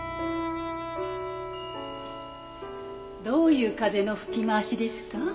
どういう風の吹き回しですか？